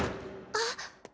あっ。